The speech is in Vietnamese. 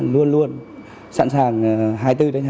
luôn luôn sẵn sàng hai mươi bốn trên hai mươi bốn